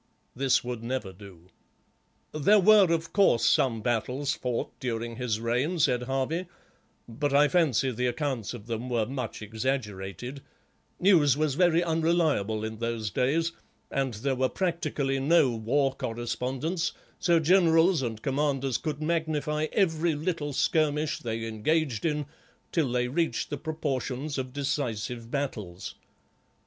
This would never do. "There were, of course, some battles fought during his reign," said Harvey, "but I fancy the accounts of them were much exaggerated; news was very unreliable in those days, and there were practically no war correspondents, so generals and commanders could magnify every little skirmish they engaged in till they reached the proportions of decisive battles.